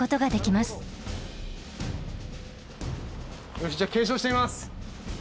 よしじゃあ検証してみます。